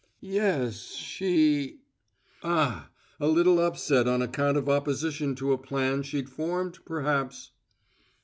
"Ye es she " "Ah! A little upset on account of opposition to a plan she'd formed, perhaps?"